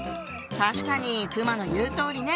確かに熊の言うとおりね。